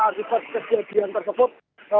akibat kejadian tersebut